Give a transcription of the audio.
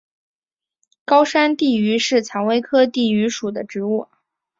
高山地榆是蔷薇科地榆属的植物。